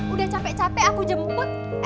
udah capek capek aku jemput